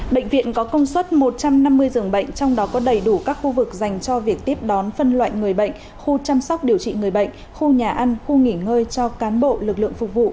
bệnh viện có công suất một trăm năm mươi giường bệnh trong đó có đầy đủ các khu vực dành cho việc tiếp đón phân loại người bệnh khu chăm sóc điều trị người bệnh khu nhà ăn khu nghỉ ngơi cho cán bộ lực lượng phục vụ